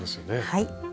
はい。